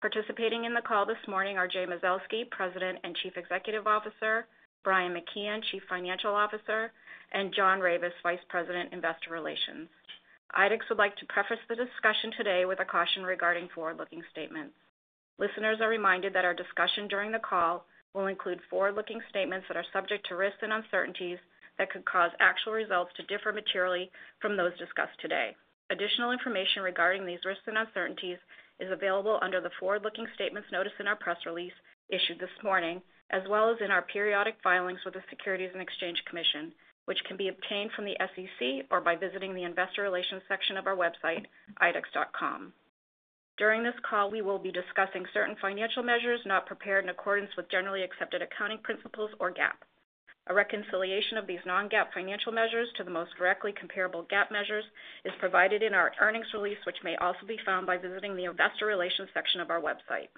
Participating in the call this morning are Jay Mazelsky, President and Chief Executive Officer, Brian McKeon, Chief Financial Officer, and John Ravis, Vice President, Investor Relations. IDEXX would like to preface the discussion today with a caution regarding forward-looking statements. Listeners are reminded that our discussion during the call will include forward-looking statements that are subject to risks and uncertainties that could cause actual results to differ materially from those discussed today. Additional information regarding these risks and uncertainties is available under the forward-looking statements notice in our press release issued this morning, as well as in our periodic filings with the Securities and Exchange Commission, which can be obtained from the SEC or by visiting the investor relations section of our website, idexx.com. During this call, we will be discussing certain financial measures not prepared in accordance with Generally Accepted Accounting Principles or GAAP. A reconciliation of these non-GAAP financial measures to the most directly comparable GAAP measures is provided in our earnings release, which may also be found by visiting the investor relations section of our website.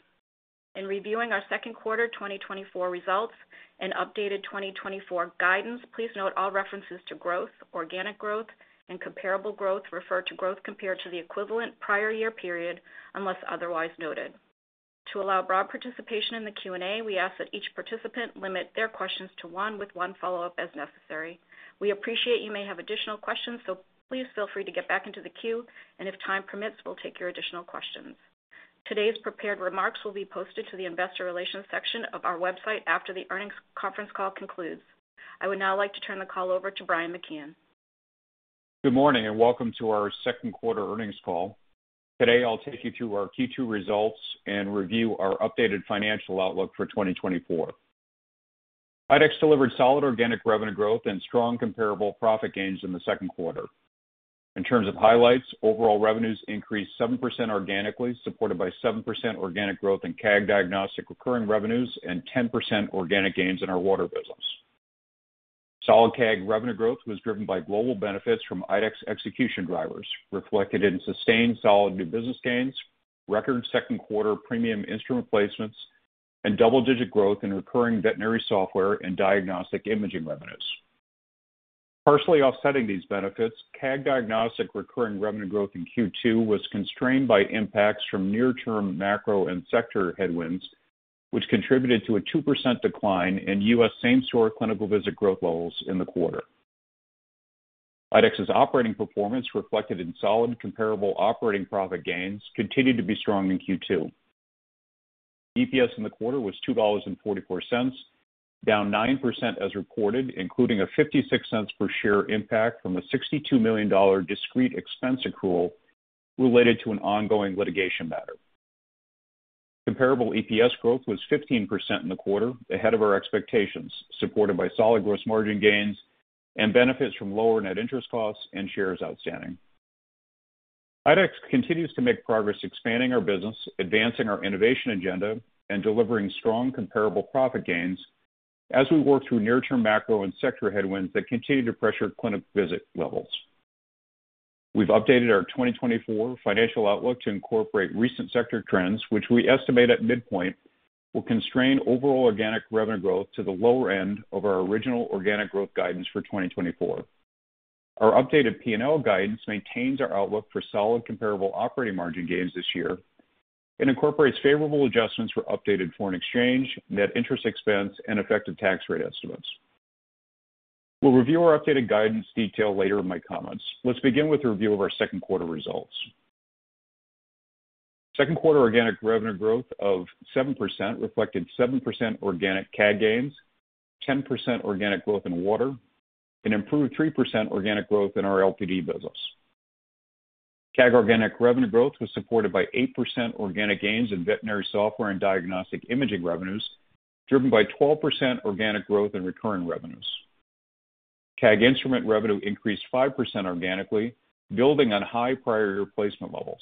In reviewing our second quarter 2024 results and updated 2024 guidance, please note all references to growth, organic growth, and comparable growth refer to growth compared to the equivalent prior year period, unless otherwise noted. To allow broad participation in the Q&A, we ask that each participant limit their questions to one, with one follow-up as necessary. We appreciate you may have additional questions, so please feel free to get back into the queue, and if time permits, we'll take your additional questions. Today's prepared remarks will be posted to the investor relations section of our website after the earnings conference call concludes. I would now like to turn the call over to Brian McKeon. Good morning, and welcome to our second quarter earnings call. Today, I'll take you through our Q2 results and review our updated financial outlook for 2024. IDEXX delivered solid organic revenue growth and strong comparable profit gains in the second quarter. In terms of highlights, overall revenues increased 7% organically, supported by 7% organic growth in CAG Diagnostics recurring revenues and 10% organic gains in our water business. Solid CAG revenue growth was driven by global benefits from IDEXX execution drivers, reflected in sustained solid new business gains, record second quarter premium instrument replacements, and double-digit growth in recurring veterinary software and diagnostic imaging revenues. Partially offsetting these benefits, CAG Diagnostics recurring revenue growth in Q2 was constrained by impacts from near-term macro and sector headwinds, which contributed to a 2% decline in U.S. same store clinical visit growth levels in the quarter. IDEXX's operating performance, reflected in solid comparable operating profit gains, continued to be strong in Q2. EPS in the quarter was $2.44, down 9% as reported, including a $0.56 per share impact from a $62 million discrete expense accrual related to an ongoing litigation matter. Comparable EPS growth was 15% in the quarter, ahead of our expectations, supported by solid gross margin gains and benefits from lower net interest costs and shares outstanding. IDEXX continues to make progress expanding our business, advancing our innovation agenda, and delivering strong comparable profit gains as we work through near-term macro and sector headwinds that continue to pressure clinic visit levels. We've updated our 2024 financial outlook to incorporate recent sector trends, which we estimate at midpoint, will constrain overall organic revenue growth to the lower end of our original organic growth guidance for 2024. Our updated P&L guidance maintains our outlook for solid comparable operating margin gains this year and incorporates favorable adjustments for updated foreign exchange, net interest expense, and effective tax rate estimates. We'll review our updated guidance detail later in my comments. Let's begin with a review of our second quarter results. Second quarter organic revenue growth of 7% reflected 7% organic CAG gains, 10% organic growth in water, and improved 3% organic growth in our LPD business. CAG organic revenue growth was supported by 8% organic gains in veterinary software and diagnostic imaging revenues, driven by 12% organic growth in recurring revenues. CAG instrument revenue increased 5% organically, building on high prior year replacement levels.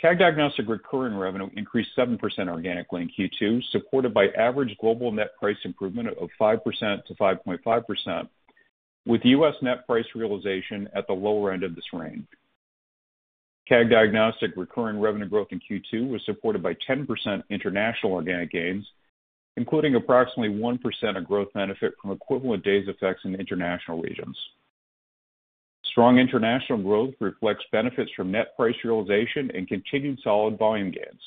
CAG Diagnostic recurring revenue increased 7% organically in Q2, supported by average global net price improvement of 5%-5.5%, with U.S. net price realization at the lower end of this range. CAG Diagnostic recurring revenue growth in Q2 was supported by 10% international organic gains, including approximately 1% of growth benefit from equivalent days effects in international regions. Strong international growth reflects benefits from net price realization and continued solid volume gains.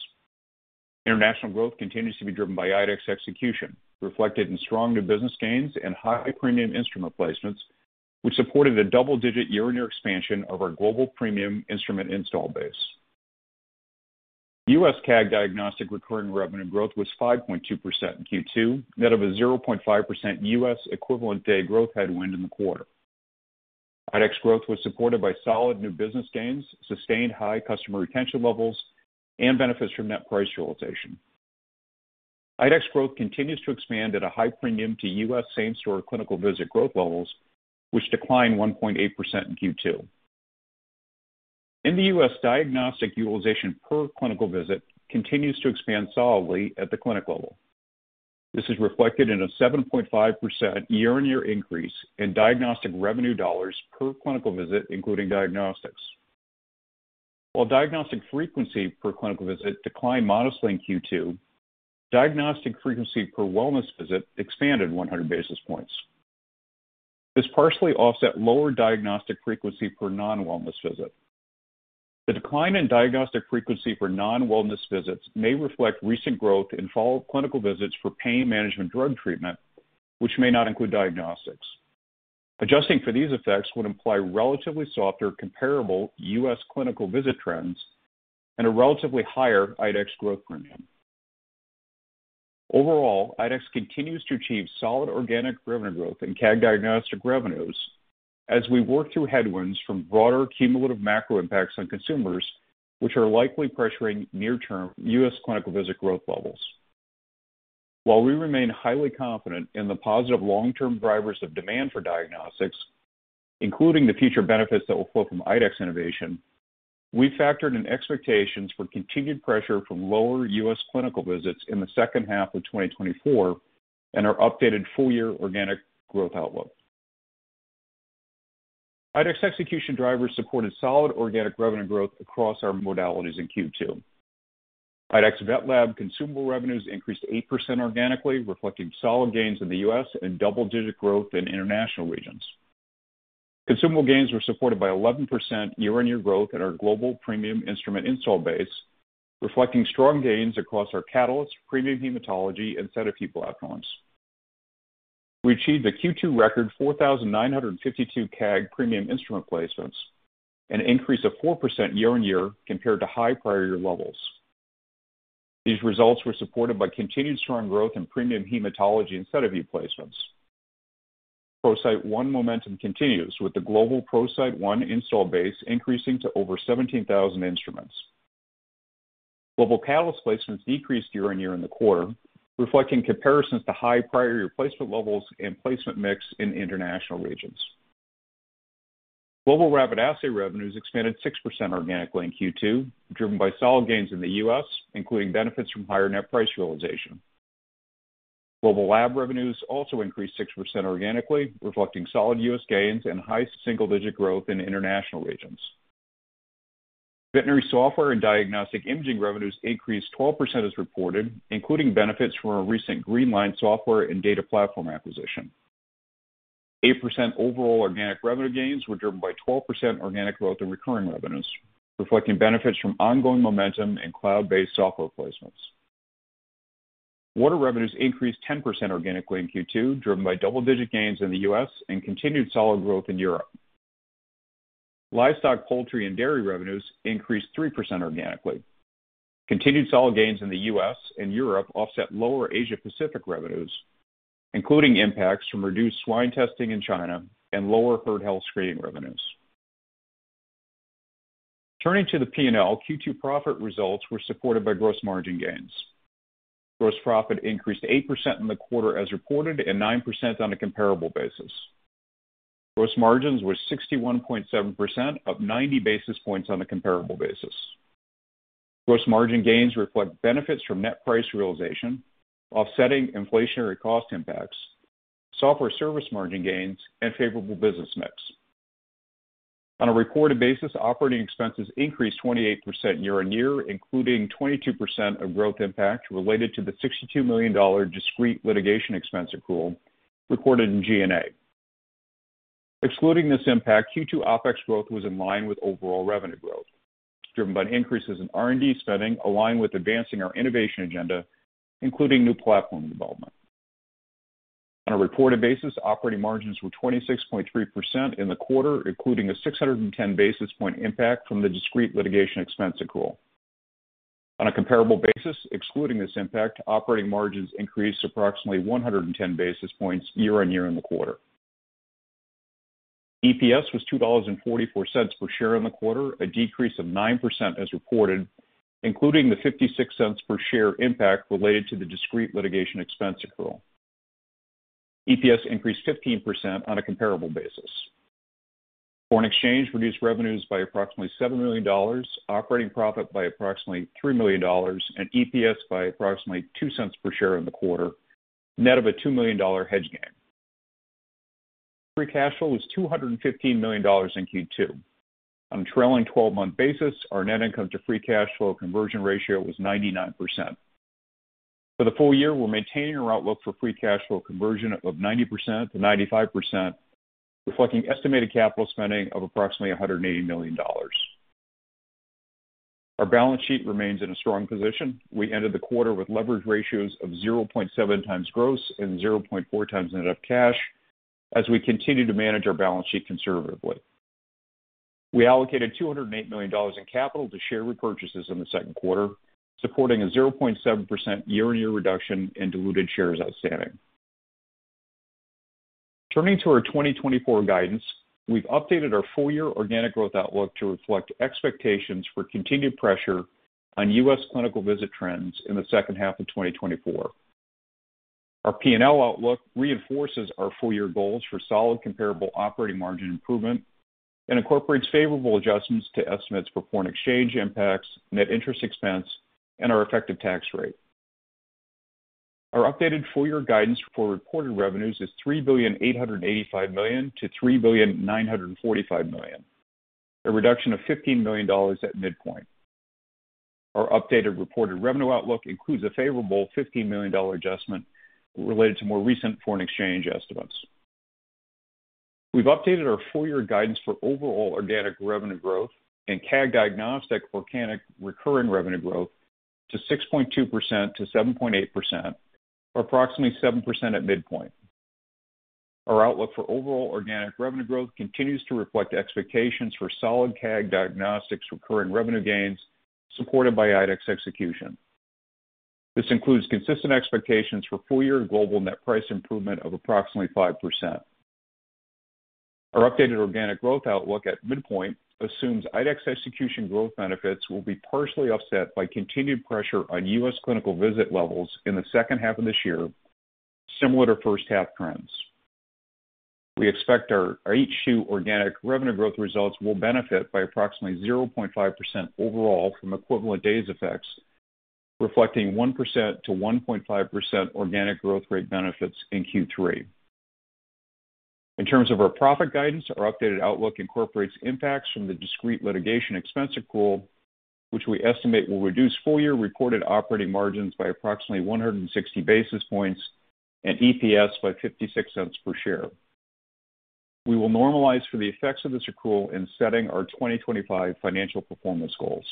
International growth continues to be driven by IDEXX execution, reflected in strong new business gains and high premium instrument placements, which supported a double-digit year-on-year expansion of our global premium instrument install base. U.S. CAG Diagnostic recurring revenue growth was 5.2% in Q2, net of a 0.5% U.S. equivalent day growth headwind in the quarter. IDEXX growth was supported by solid new business gains, sustained high customer retention levels, and benefits from net price realization. IDEXX growth continues to expand at a high premium to U.S. same store clinical visit growth levels, which declined 1.8% in Q2. In the U.S., diagnostic utilization per clinical visit continues to expand solidly at the clinic level. This is reflected in a 7.5% year-on-year increase in diagnostic revenue dollars per clinical visit, including diagnostics. While diagnostic frequency per clinical visit declined modestly in Q2, diagnostic frequency per wellness visit expanded 100 basis points. This partially offset lower diagnostic frequency for non-wellness visits. The decline in diagnostic frequency for non-wellness visits may reflect recent growth in follow-up clinical visits for pain management drug treatment, which may not include diagnostics. Adjusting for these effects would imply relatively softer, comparable U.S. clinical visit trends and a relatively higher IDEXX growth premium. Overall, IDEXX continues to achieve solid organic revenue growth in CAG Diagnostic revenues as we work through headwinds from broader cumulative macro impacts on consumers, which are likely pressuring near-term U.S. clinical visit growth levels. While we remain highly confident in the positive long-term drivers of demand for diagnostics, including the future benefits that will flow from IDEXX innovation, we factored in expectations for continued pressure from lower U.S. clinical visits in the second half of 2024 and our updated full-year organic growth outlook. IDEXX execution drivers supported solid organic revenue growth across our modalities in Q2. IDEXX VetLab consumable revenues increased 8% organically, reflecting solid gains in the U.S. and double-digit growth in international regions. Consumable gains were supported by 11% year-on-year growth at our global premium instrument install base, reflecting strong gains across our Catalyst, Premium Hematology and SediVue platforms. We achieved a Q2 record 4,952 CAG premium instrument placements, an increase of 4% year-on-year compared to high prior year levels. These results were supported by continued strong growth in Premium Hematology and SediVue placements. ProCyte One momentum continues, with the global ProCyte One install base increasing to over 17,000 instruments. Global Catalyst placements decreased year-on-year in the quarter, reflecting comparisons to high prior year placement levels and placement mix in international regions. Global rapid assay revenues expanded 6% organically in Q2, driven by solid gains in the U.S., including benefits from higher net price realization. Global lab revenues also increased 6% organically, reflecting solid U.S. gains and high single-digit growth in international regions. Veterinary software and diagnostic imaging revenues increased 12% as reported, including benefits from our recent Greenline Software and Data Platform acquisition. 8% overall organic revenue gains were driven by 12% organic growth in recurring revenues, reflecting benefits from ongoing momentum and cloud-based software placements. Water revenues increased 10% organically in Q2, driven by double-digit gains in the U.S. and continued solid growth in Europe. Livestock, poultry, and dairy revenues increased 3% organically. Continued solid gains in the U.S. and Europe offset lower Asia-Pacific revenues, including impacts from reduced swine testing in China and lower herd health screening revenues. Turning to the P&L, Q2 profit results were supported by gross margin gains. Gross profit increased 8% in the quarter as reported, and 9% on a comparable basis. Gross margins were 61.7%, up 90 basis points on a comparable basis. Gross margin gains reflect benefits from net price realization, offsetting inflationary cost impacts, software service margin gains, and favorable business mix. On a reported basis, operating expenses increased 28% year-over-year, including 22% of growth impact related to the $62 million discrete litigation expense accrual recorded in G&A. Excluding this impact, Q2 OpEx growth was in line with overall revenue growth, driven by increases in R&D spending, aligned with advancing our innovation agenda, including new platform development. On a reported basis, operating margins were 26.3% in the quarter, including a 610 basis point impact from the discrete litigation expense accrual. On a comparable basis, excluding this impact, operating margins increased approximately 110 basis points year-on-year in the quarter. EPS was $2.44 per share in the quarter, a decrease of 9% as reported, including the $0.56 per share impact related to the discrete litigation expense accrual. EPS increased 15% on a comparable basis. Foreign exchange reduced revenues by approximately $7 million, operating profit by approximately $3 million, and EPS by approximately $0.02 per share in the quarter, net of a $2 million hedge gain. Free cash flow was $215 million in Q2. On a trailing 12-month basis, our net income to free cash flow conversion ratio was 99%. For the full year, we're maintaining our outlook for free cash flow conversion of 90%-95%, reflecting estimated capital spending of approximately $180 million. Our balance sheet remains in a strong position. We ended the quarter with leverage ratios of 0.7x gross and 0.4x net of cash as we continue to manage our balance sheet conservatively. We allocated $208 million in capital to share repurchases in the second quarter, supporting a 0.7% year-on-year reduction in diluted shares outstanding. Turning to our 2024 guidance, we've updated our full-year organic growth outlook to reflect expectations for continued pressure on U.S. clinical visit trends in the second half of 2024. Our P&L outlook reinforces our full-year goals for solid comparable operating margin improvement and incorporates favorable adjustments to estimates for foreign exchange impacts, net interest expense, and our effective tax rate. Our updated full-year guidance for recorded revenues is $3.885 billion-$3.945 billion, a reduction of $15 million at midpoint. Our updated reported revenue outlook includes a favorable $50 million adjustment related to more recent foreign exchange estimates. We've updated our full year guidance for overall organic revenue growth and CAG Diagnostics organic recurring revenue growth to 6.2%-7.8%, or approximately 7% at midpoint. Our outlook for overall organic revenue growth continues to reflect expectations for solid CAG Diagnostics recurring revenue gains, supported by IDEXX execution. This includes consistent expectations for full year global net price improvement of approximately 5%. Our updated organic growth outlook at midpoint assumes IDEXX execution growth benefits will be partially offset by continued pressure on U.S. clinical visit levels in the second half of this year, similar to first half trends. We expect our H2 organic revenue growth results will benefit by approximately 0.5% overall from equivalent days effects, reflecting 1%-1.5% organic growth rate benefits in Q3. In terms of our profit guidance, our updated outlook incorporates impacts from the discrete litigation expense accrual, which we estimate will reduce full year reported operating margins by approximately 160 basis points and EPS by $0.56 per share. We will normalize for the effects of this accrual in setting our 2025 financial performance goals.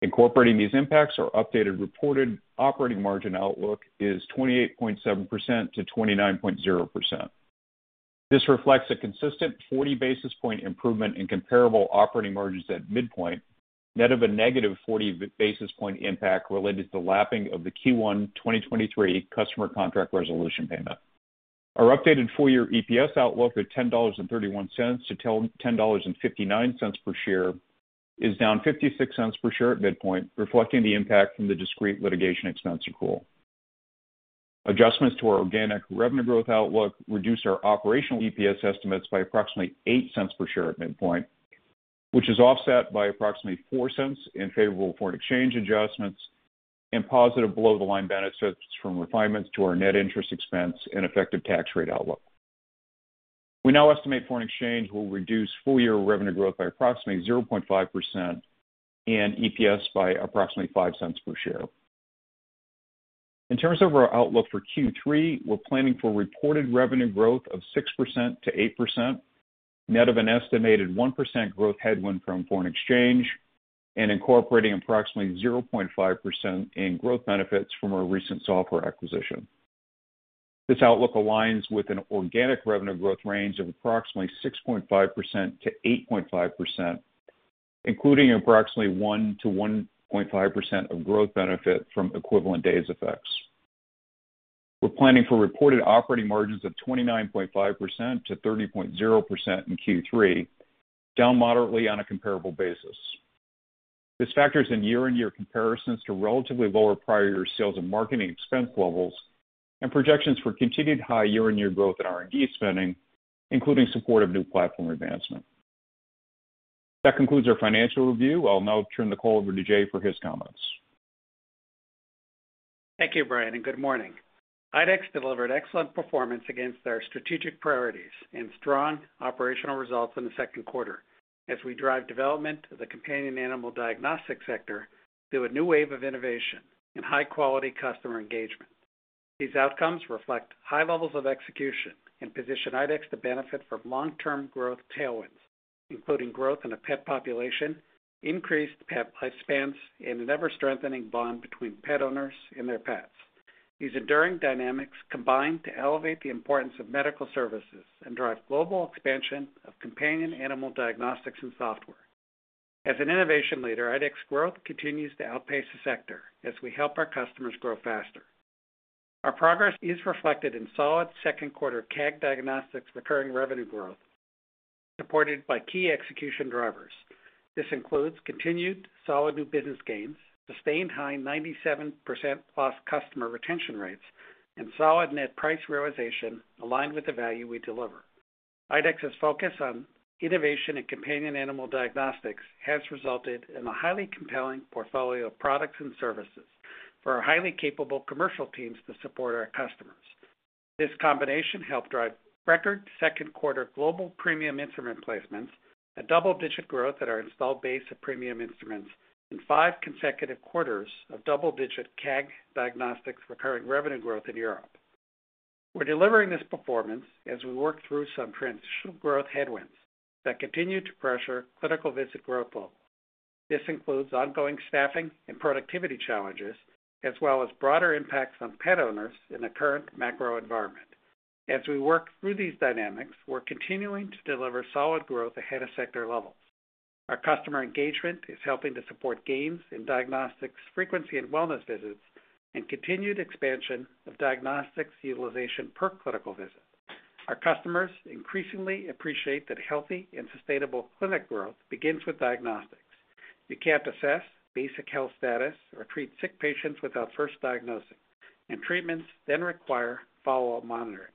Incorporating these impacts, our updated reported operating margin outlook is 28.7%-29.0%. This reflects a consistent 40 basis point improvement in comparable operating margins at midpoint, net of a -40 basis point impact related to the lapping of the Q1 2023 customer contract resolution payment. Our updated full year EPS outlook of $10.31-$10.59 per share is down $0.56 per share at midpoint, reflecting the impact from the discrete litigation expense accrual. Adjustments to our organic revenue growth outlook reduce our operational EPS estimates by approximately $0.08 per share at midpoint, which is offset by approximately $0.04 in favorable foreign exchange adjustments and positive below-the-line benefits from refinements to our net interest expense and effective tax rate outlook. We now estimate foreign exchange will reduce full-year revenue growth by approximately 0.5% and EPS by approximately $0.05 per share. In terms of our outlook for Q3, we're planning for reported revenue growth of 6%-8%, net of an estimated 1% growth headwind from foreign exchange and incorporating approximately 0.5% in growth benefits from our recent software acquisition. This outlook aligns with an organic revenue growth range of approximately 6.5%-8.5%, including approximately 1%-1.5% of growth benefit from equivalent days effects. We're planning for reported operating margins of 29.5%-30.0% in Q3, down moderately on a comparable basis. This factors in year-over-year comparisons to relatively lower prior year sales and marketing expense levels, and projections for continued high year-over-year growth in R&D spending, including support of new platform advancement. That concludes our financial review. I'll now turn the call over to Jay for his comments. Thank you, Brian, and good morning. IDEXX delivered excellent performance against our strategic priorities and strong operational results in the second quarter as we drive development of the companion animal diagnostic sector through a new wave of innovation and high-quality customer engagement. These outcomes reflect high levels of execution and position IDEXX to benefit from long-term growth tailwinds, including growth in the pet population, increased pet lifespans, and an ever-strengthening bond between pet owners and their pets. These enduring dynamics combine to elevate the importance of medical services and drive global expansion of companion animal diagnostics and software. As an innovation leader, IDEXX growth continues to outpace the sector as we help our customers grow faster. Our progress is reflected in solid second quarter CAG Diagnostics recurring revenue growth, supported by key execution drivers. This includes continued solid new business gains, sustained high 97%+ customer retention rates, and solid net price realization aligned with the value we deliver. IDEXX's focus on innovation and companion animal diagnostics has resulted in a highly compelling portfolio of products and services for our highly capable commercial teams to support our customers. This combination helped drive record second quarter global premium instrument placements, a double-digit growth at our installed base of premium instruments, and five consecutive quarters of double-digit CAG Diagnostics recurring revenue growth in Europe. We're delivering this performance as we work through some transitional growth headwinds that continue to pressure clinical visit growth levels. This includes ongoing staffing and productivity challenges, as well as broader impacts on pet owners in the current macro environment. As we work through these dynamics, we're continuing to deliver solid growth ahead of sector levels. Our customer engagement is helping to support gains in diagnostics, frequency and wellness visits, and continued expansion of diagnostics utilization per clinical visit. Our customers increasingly appreciate that healthy and sustainable clinic growth begins with diagnostics. You can't assess basic health status or treat sick patients without first diagnosing, and treatments then require follow-up monitoring.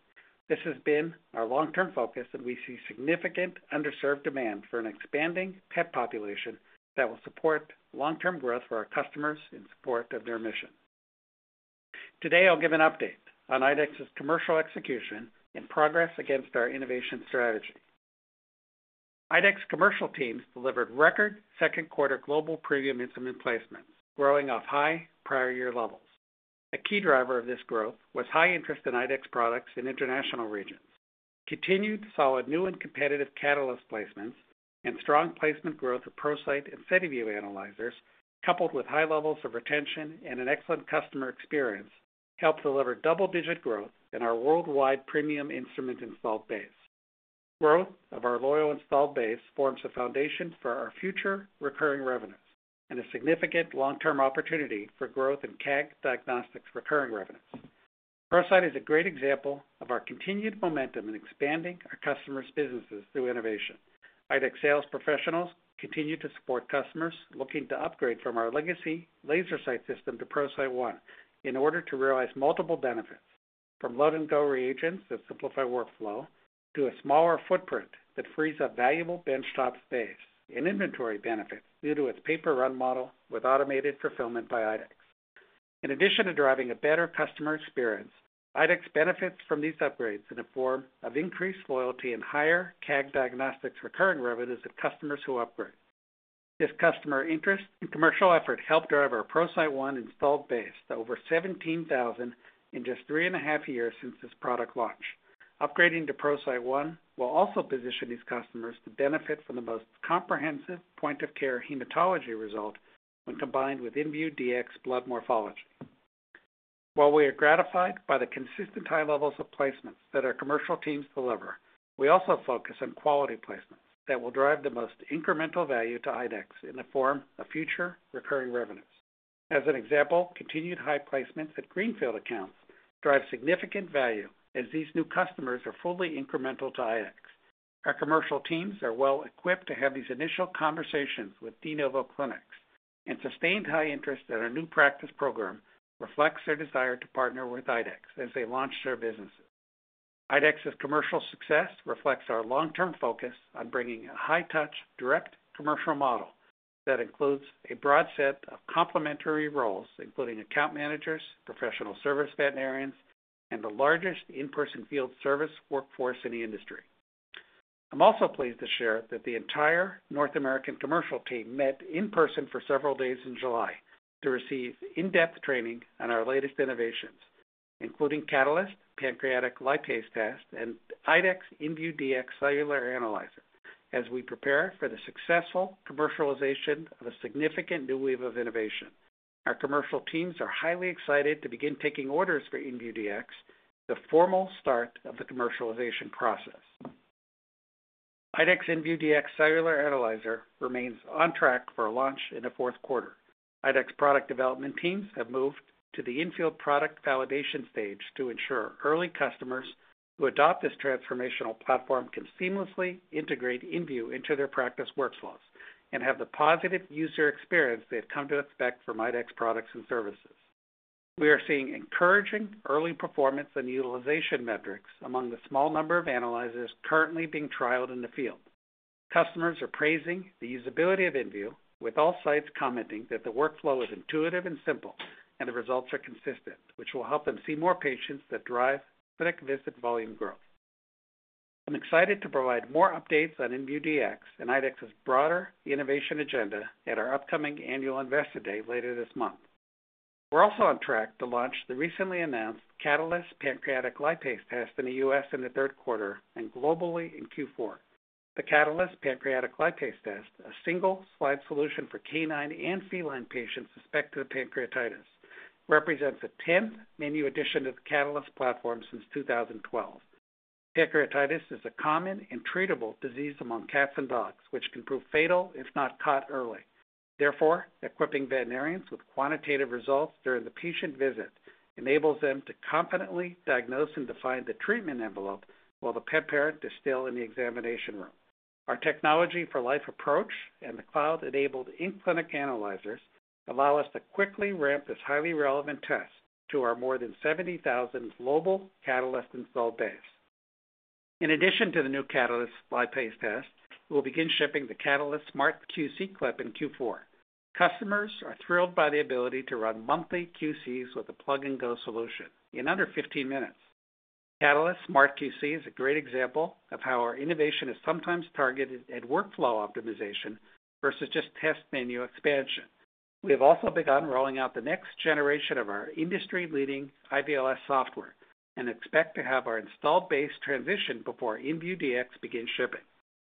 This has been our long-term focus, and we see significant underserved demand for an expanding pet population that will support long-term growth for our customers in support of their mission.... Today, I'll give an update on IDEXX's commercial execution and progress against our innovation strategy. IDEXX commercial teams delivered record second quarter global premium instrument placements, growing off high prior year levels. A key driver of this growth was high interest in IDEXX products in international regions. Continued solid new and competitive Catalyst placements and strong placement growth of ProCyte and SediVue analyzers, coupled with high levels of retention and an excellent customer experience, helped deliver double-digit growth in our worldwide premium instrument installed base. Growth of our loyal installed base forms the foundation for our future recurring revenues, and a significant long-term opportunity for growth in CAG Diagnostics recurring revenues. ProCyte is a great example of our continued momentum in expanding our customers' businesses through innovation. IDEXX sales professionals continue to support customers looking to upgrade from our legacy LaserCyte system to ProCyte One in order to realize multiple benefits, from load-and-go reagents that simplify workflow, to a smaller footprint that frees up valuable benchtop space and inventory benefits due to its pay-per-run model with automated fulfillment by IDEXX. In addition to driving a better customer experience, IDEXX benefits from these upgrades in the form of increased loyalty and higher CAG Diagnostics recurring revenues of customers who upgrade. This customer interest and commercial effort helped drive our ProCyte One installed base to over 17,000 in just 3.5 years since this product launch. Upgrading to ProCyte One will also position these customers to benefit from the most comprehensive point-of-care hematology result when combined with inVue Dx blood morphology. While we are gratified by the consistent high levels of placements that our commercial teams deliver, we also focus on quality placements that will drive the most incremental value to IDEXX in the form of future recurring revenues. As an example, continued high placements at greenfield accounts drive significant value as these new customers are fully incremental to IDEXX. Our commercial teams are well-equipped to have these initial conversations with de novo clinics, and sustained high interest at our new practice program reflects their desire to partner with IDEXX as they launch their businesses. IDEXX's commercial success reflects our long-term focus on bringing a high touch, direct commercial model that includes a broad set of complementary roles, including account managers, professional service veterinarians, and the largest in-person field service workforce in the industry. I'm also pleased to share that the entire North American commercial team met in person for several days in July to receive in-depth training on our latest innovations, including Catalyst Pancreatic Lipase Test, and IDEXX inVue Dx Cellular Analyzer. As we prepare for the successful commercialization of a significant new wave of innovation, our commercial teams are highly excited to begin taking orders for inVue Dx, the formal start of the commercialization process. IDEXX inVue Dx Cellular Analyzer remains on track for a launch in the fourth quarter. IDEXX product development teams have moved to the infield product validation stage to ensure early customers who adopt this transformational platform can seamlessly integrate inVue into their practice workflows, and have the positive user experience they've come to expect from IDEXX products and services. We are seeing encouraging early performance and utilization metrics among the small number of analyzers currently being trialed in the field. Customers are praising the usability of inVue, with all sites commenting that the workflow is intuitive and simple, and the results are consistent, which will help them see more patients that drive clinic visit volume growth. I'm excited to provide more updates on inVue Dx and IDEXX's broader innovation agenda at our upcoming annual Investor Day later this month. We're also on track to launch the recently announced Catalyst Pancreatic Lipase Test in the U.S. in the third quarter and globally in Q4. The Catalyst Pancreatic Lipase Test, a single slide solution for canine and feline patients suspected of pancreatitis, represents the 10th menu addition to the Catalyst platform since 2012. Pancreatitis is a common and treatable disease among cats and dogs, which can prove fatal if not caught early. Therefore, equipping veterinarians with quantitative results during the patient visit enables them to confidently diagnose and define the treatment envelope while the pet parent is still in the examination room. Our Technology for Life approach and the cloud-enabled in-clinic analyzers allow us to quickly ramp this highly relevant test to our more than 70,000 global Catalyst installed base. In addition to the new Catalyst Lipase Test, we'll begin shipping the Catalyst SmartQC CLIP in Q4. Customers are thrilled by the ability to run monthly QCs with a plug-and-go solution in under 15 minutes. Catalyst SmartQC is a great example of how our innovation is sometimes targeted at workflow optimization versus just test menu expansion. We have also begun rolling out the next generation of our industry-leading IVLS software, and expect to have our installed base transition before inVue Dx begins shipping.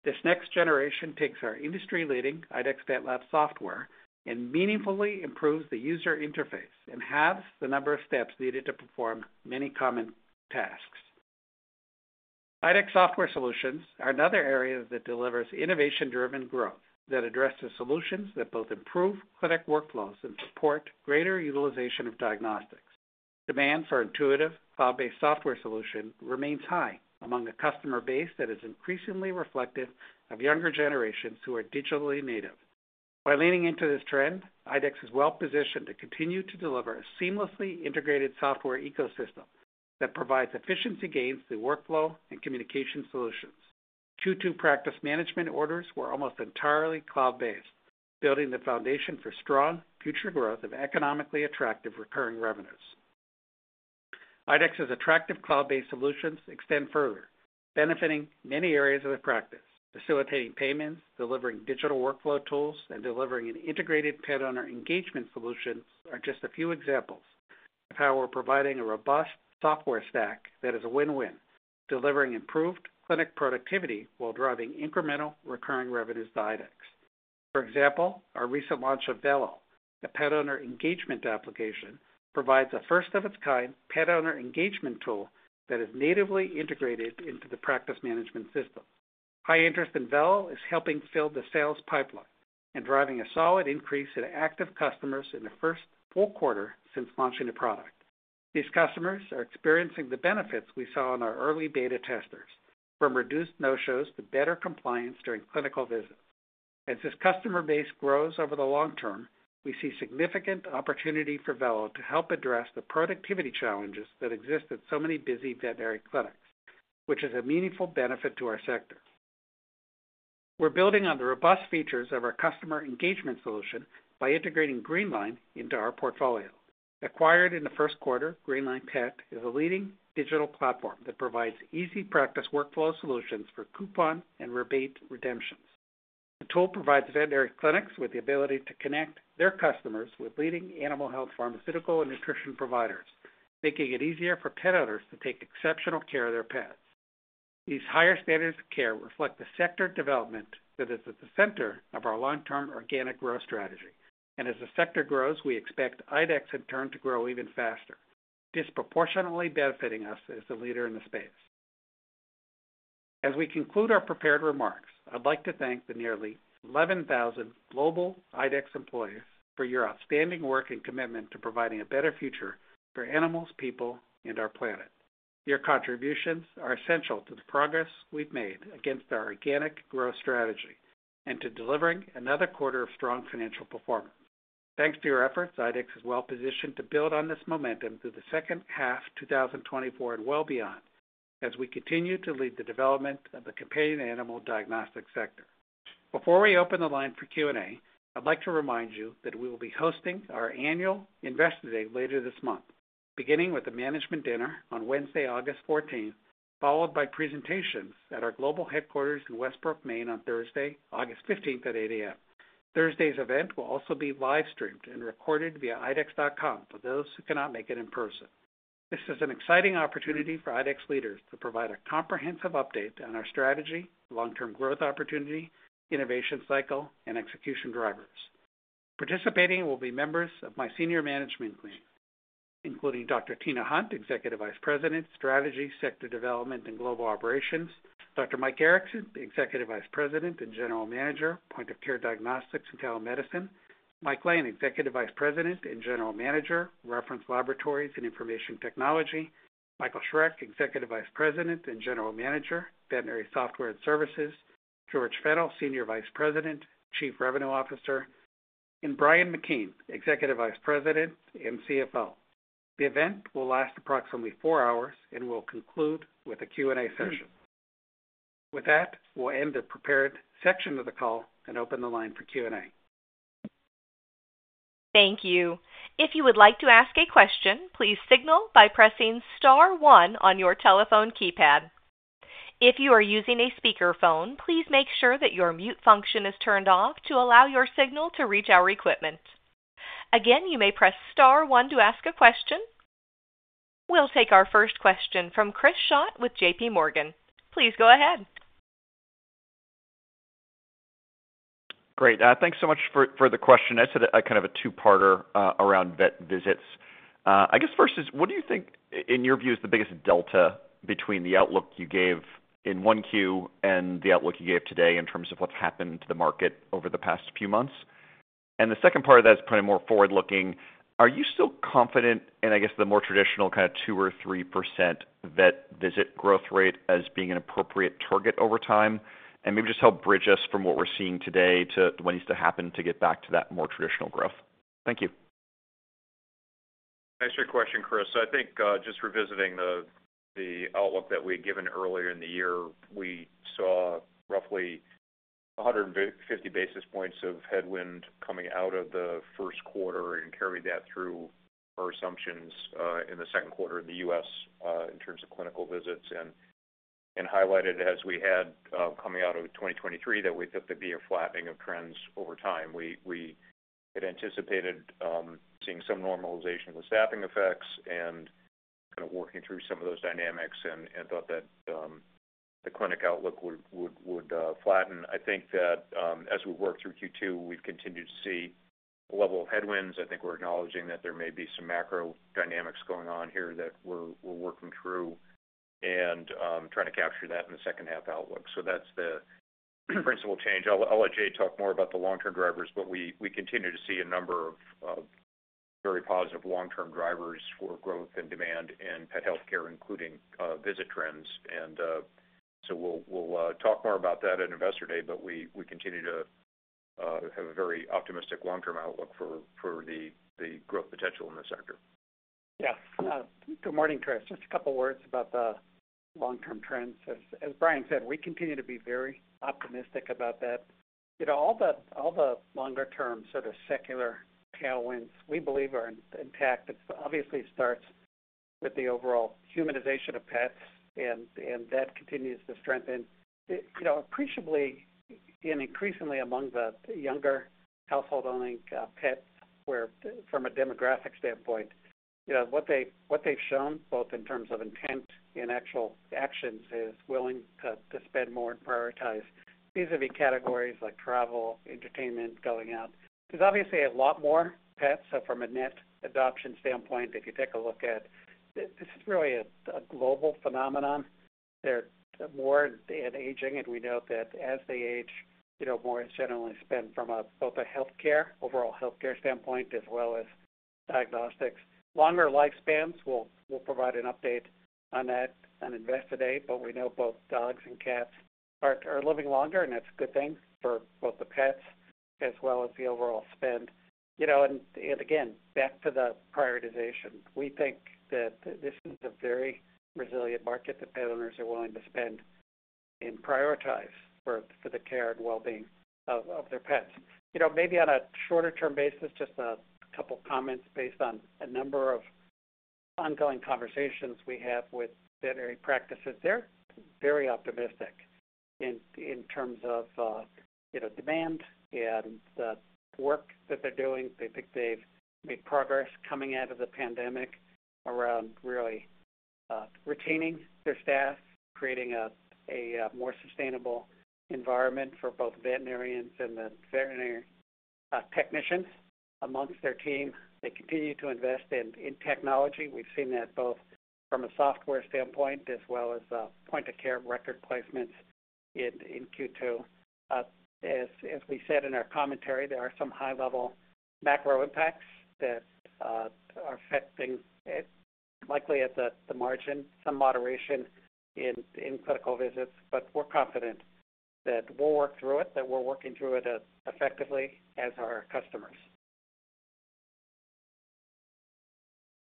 This next generation takes our industry-leading IDEXX VetLab software and meaningfully improves the user interface and halves the number of steps needed to perform many common tasks. IDEXX software solutions are another area that delivers innovation-driven growth, that addresses solutions that both improve clinic workflows and support greater utilization of diagnostics. Demand for intuitive, cloud-based software solution remains high among a customer base that is increasingly reflective of younger generations who are digitally native. By leaning into this trend, IDEXX is well-positioned to continue to deliver a seamlessly integrated software ecosystem that provides efficiency gains through workflow and communication solutions. Q2 practice management orders were almost entirely cloud-based, building the foundation for strong future growth of economically attractive recurring revenues. IDEXX's attractive cloud-based solutions extend further, benefiting many areas of the practice, facilitating payments, delivering digital workflow tools, and delivering an integrated pet owner engagement solution are just a few examples of how we're providing a robust software stack that is a win-win, delivering improved clinic productivity while driving incremental recurring revenues to IDEXX. For example, our recent launch of Vello, a pet owner engagement application, provides a first of its kind pet owner engagement tool that is natively integrated into the practice management system. High interest in Vello is helping fill the sales pipeline and driving a solid increase in active customers in the first full quarter since launching the product. These customers are experiencing the benefits we saw in our early beta testers, from reduced no-shows to better compliance during clinical visits. As this customer base grows over the long-term, we see significant opportunity for Vello to help address the productivity challenges that exist at so many busy veterinary clinics, which is a meaningful benefit to our sector. We're building on the robust features of our customer engagement solution by integrating Greenline into our portfolio. Acquired in the first quarter, Greenline Pet is a leading digital platform that provides easy practice workflow solutions for coupon and rebate redemptions. The tool provides veterinary clinics with the ability to connect their customers with leading animal health, pharmaceutical, and nutrition providers, making it easier for pet owners to take exceptional care of their pets. These higher standards of care reflect the sector development that is at the center of our long-term organic growth strategy. As the sector grows, we expect IDEXX in turn to grow even faster, disproportionately benefiting us as the leader in the space. As we conclude our prepared remarks, I'd like to thank the nearly 11,000 global IDEXX employees for your outstanding work and commitment to providing a better future for animals, people, and our planet. Your contributions are essential to the progress we've made against our organic growth strategy and to delivering another quarter of strong financial performance. Thanks to your efforts, IDEXX is well-positioned to build on this momentum through the second half 2024 and well beyond, as we continue to lead the development of the companion animal diagnostic sector. Before we open the line for Q&A, I'd like to remind you that we will be hosting our annual Investor Day later this month, beginning with the management dinner on Wednesday, August 14th, followed by presentations at our global headquarters in Westbrook, Maine, on Thursday, August 15th at 8:00 A.M. Thursday's event will also be live-streamed and recorded via idexx.com for those who cannot make it in person. This is an exciting opportunity for IDEXX leaders to provide a comprehensive update on our strategy, long-term growth opportunity, innovation cycle, and execution drivers. Participating will be members of my senior management team, including Dr. Tina Hunt, Executive Vice President, Strategy, Sector Development, and Global Operations, Dr. Mike Erickson, Executive Vice President and General Manager, Point of Care Diagnostics and Telemedicine, Mike Lane, Executive Vice President and General Manager, Reference Laboratories and Information Technology, Michael Schreck, Executive Vice President and General Manager, Veterinary Software and Services, George Fennell, Senior Vice President, Chief Revenue Officer, and Brian McKeon, Executive Vice President and CFO. The event will last approximately four hours and will conclude with a Q&A session. With that, we'll end the prepared section of the call and open the line for Q&A. Thank you. If you would like to ask a question, please signal by pressing star one on your telephone keypad. If you are using a speakerphone, please make sure that your mute function is turned off to allow your signal to reach our equipment. Again, you may press star one to ask a question. We'll take our first question from Chris Schott with JPMorgan. Please go ahead. Great. Thanks so much for the question. It's a kind of a two-parter around vet visits. I guess first is, what do you think, in your view, is the biggest delta between the outlook you gave in 1Q and the outlook you gave today in terms of what's happened to the market over the past few months? And the second part of that is probably more forward-looking. Are you still confident in, I guess, the more traditional kind of 2% or 3% vet visit growth rate as being an appropriate target over time? And maybe just help bridge us from what we're seeing today to what needs to happen to get back to that more traditional growth. Thank you. Thanks for your question, Chris. I think just revisiting the outlook that we had given earlier in the year, we saw roughly 150 basis points of headwind coming out of the first quarter and carried that through our assumptions in the second quarter in the U.S. in terms of clinical visits, and highlighted as we had coming out of 2023, that we thought there'd be a flattening of trends over time. We had anticipated seeing some normalization of the staffing effects and kind of working through some of those dynamics and thought that the clinic outlook would flatten. I think that as we work through Q2, we've continued to see a level of headwinds. I think we're acknowledging that there may be some macro dynamics going on here that we're working through and trying to capture that in the second half outlook. So that's the principal change. I'll let Jay talk more about the long-term drivers, but we continue to see a number of very positive long-term drivers for growth and demand in pet healthcare, including visit trends. And so we'll talk more about that at Investor Day, but we continue to have a very optimistic long-term outlook for the growth potential in this sector. Yeah. Good morning, Chris. Just a couple words about the long-term trends. As Brian said, we continue to be very optimistic about that. You know, all the longer-term sort of secular tailwinds, we believe, are intact. It obviously starts with the overall humanization of pets, and that continues to strengthen. You know, appreciably and increasingly among the younger household-owning pets, where from a demographic standpoint, you know, what they, what they've shown, both in terms of intent and actual actions, is willing to spend more and prioritize. These would be categories like travel, entertainment, going out. There's obviously a lot more pets from a net adoption standpoint. If you take a look at... This is really a global phenomenon. They're more and aging, and we know that as they age, you know, more is generally spent from a both a healthcare, overall healthcare standpoint, as well as diagnostics. Longer lifespans, we'll provide an update on that on Investor Day, but we know both dogs and cats are living longer, and that's a good thing for both the pets as well as the overall spend. You know, and again, back to the prioritization, we think that this is a very resilient market, that pet owners are willing to spend and prioritize for the care and well-being of their pets. You know, maybe on a shorter term basis, just a couple comments based on a number of ongoing conversations we have with veterinary practices. They're very optimistic in terms of, you know, demand and the work that they're doing. They think they've made progress coming out of the pandemic around really retaining their staff, creating a more sustainable environment for both veterinarians and the veterinary technicians amongst their team. They continue to invest in technology. We've seen that both from a software standpoint as well as point-of-care record placements in Q2. As we said in our commentary, there are some high-level macro impacts that are affecting it, likely at the margin, some moderation in clinical visits, but we're confident that we'll work through it, that we're working through it as effectively as our customers.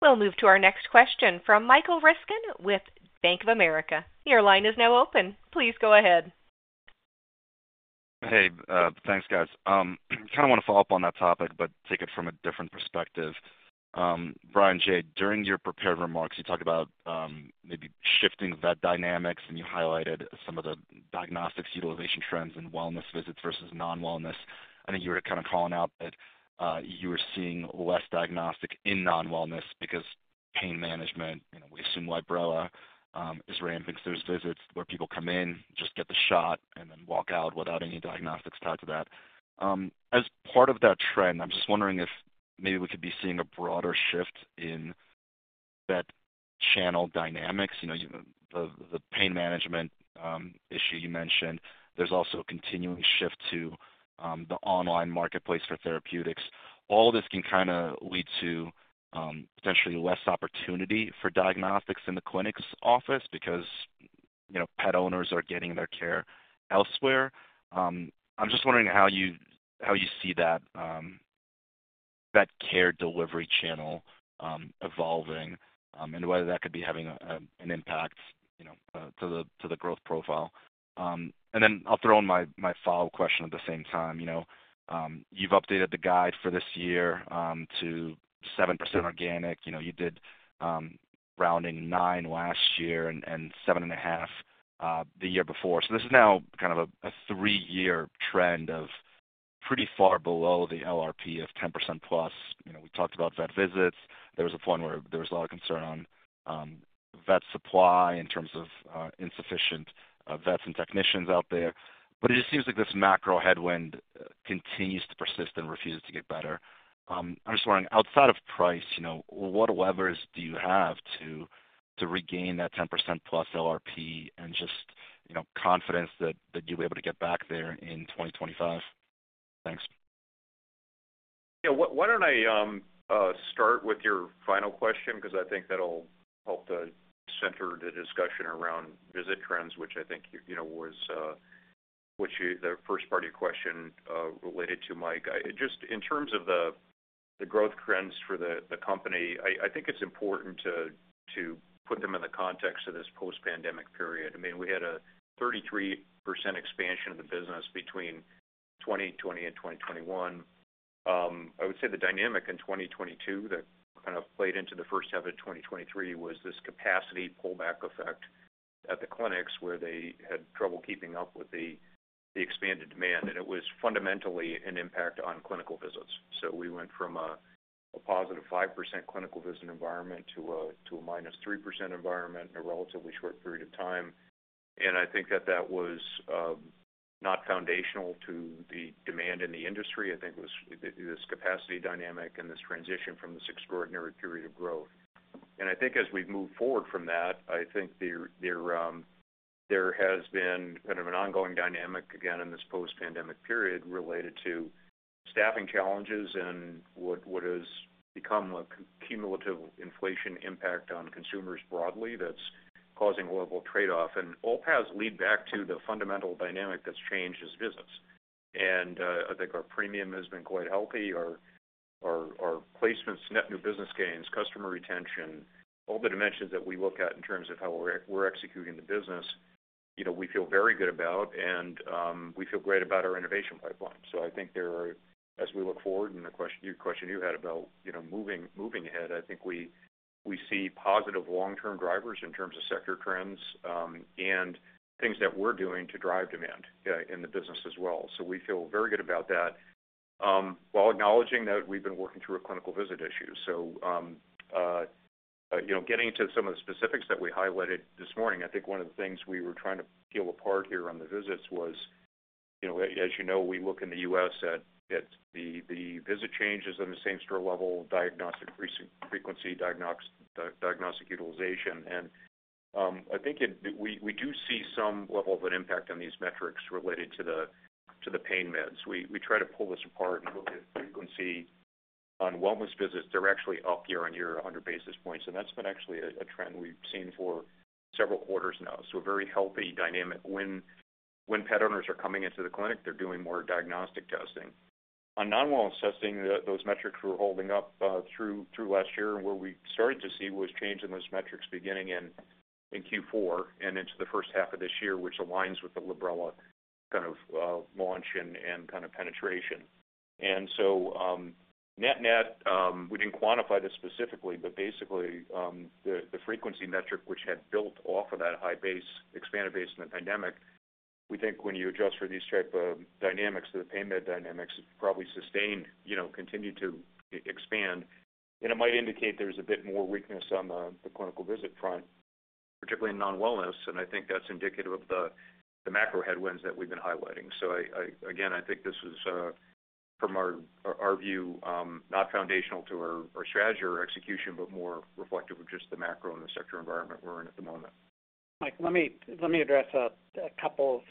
We'll move to our next question from Michael Ryskin with Bank of America. Your line is now open. Please go ahead. Hey, thanks, guys. Kind of want to follow up on that topic, but take it from a different perspective. Brian, Jay, during your prepared remarks, you talked about, maybe shifting vet dynamics, and you highlighted some of the diagnostics utilization trends in wellness visits versus non-wellness. I think you were kind of calling out that, you were seeing less diagnostic in non-wellness because pain management, you know, we assume Librela, is ramping through visits where people come in, just get the shot, and then walk out without any diagnostics tied to that. As part of that trend, I'm just wondering if maybe we could be seeing a broader shift in that channel dynamics. You know, the pain management issue you mentioned, there's also a continuing shift to, the online marketplace for therapeutics. All this can kind of lead to, potentially less opportunity for diagnostics in the clinics office because, you know, pet owners are getting their care elsewhere. I'm just wondering how you, how you see that, that care delivery channel, evolving, and whether that could be having a, an impact, you know, to the, to the growth profile. And then I'll throw in my, my follow-up question at the same time. You know, you've updated the guide for this year, to 7% organic. You know, you did, rounding 9% last year and, and 7.5%, the year before. So this is now kind of a, a three-year trend of pretty far below the LRP of 10%+. You know, we talked about vet visits. There was a point where there was a lot of concern on, vet supply in terms of, insufficient, vets and technicians out there. But it just seems like this macro headwind continues to persist and refuses to get better. I'm just wondering, outside of price, you know, what levers do you have to, to regain that 10%+ LRP and just, you know, confidence that, that you'll be able to get back there in 2025? Thanks. Yeah, why, why don't I start with your final question? Because I think that'll help to center the discussion around visit trends, which I think you, you know, was, which you... The first part of your question related to Mike. Just in terms of the growth trends for the company, I think it's important to put them in the context of this post-pandemic period. I mean, we had a 33% expansion of the business between 2020 and 2021. I would say the dynamic in 2022, that kind of played into the first half of 2023, was this capacity pullback effect at the clinics where they had trouble keeping up with the expanded demand, and it was fundamentally an impact on clinical visits. So we went from a +5% clinical visit environment to a -3% environment in a relatively short period of time. And I think that that was not foundational to the demand in the industry. I think it was this capacity dynamic and this transition from this extraordinary period of growth. And I think as we've moved forward from that, I think there has been kind of an ongoing dynamic, again, in this post-pandemic period related to staffing challenges and what has become a cumulative inflation impact on consumers broadly that's causing a level of trade-off. And all paths lead back to the fundamental dynamic that's changed this business.... And, I think our premium has been quite healthy. Our placements, net new business gains, customer retention, all the dimensions that we look at in terms of how we're executing the business, you know, we feel very good about, and we feel great about our innovation pipeline. So I think there are, as we look forward, and the question you had about, you know, moving ahead, I think we see positive long-term drivers in terms of sector trends, and things that we're doing to drive demand in the business as well. So we feel very good about that, while acknowledging that we've been working through a clinical visit issue. So, you know, getting to some of the specifics that we highlighted this morning, I think one of the things we were trying to peel apart here on the visits was, you know, as you know, we look in the U.S. at the visit changes on the same store level, diagnostic frequency, diagnostics, diagnostic utilization. And, I think we do see some level of an impact on these metrics related to the pain mAbs. We try to pull this apart and look at frequency on wellness visits, they're actually up year-over-year, 100 basis points, and that's been actually a trend we've seen for several quarters now. So a very healthy dynamic. When pet owners are coming into the clinic, they're doing more diagnostic testing. On non-wellness testing, those metrics were holding up through last year, and where we started to see was change in those metrics beginning in Q4 and into the first half of this year, which aligns with the Librela kind of launch and kind of penetration. And so, net-net, we didn't quantify this specifically, but basically, the frequency metric, which had built off of that high base, expanded base in the pandemic, we think when you adjust for these type of dynamics, the pain mAbs dynamics probably sustained, you know, continued to expand. And it might indicate there's a bit more weakness on the clinical visit front, particularly in non-wellness, and I think that's indicative of the macro headwinds that we've been highlighting. So again, I think this is from our view, not foundational to our strategy or execution, but more reflective of just the macro and the sector environment we're in at the moment. Mike, let me address a couple of